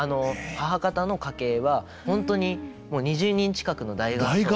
母方の家系は本当にもう２０人近くの大合奏が。